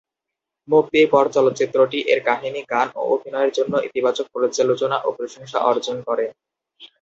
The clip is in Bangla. মুক্তির পর চলচ্চিত্রটি এর কাহিনি, গান ও অভিনয়ের জন্য ইতিবাচক পর্যালোচনা ও প্রশংসা অর্জন করে।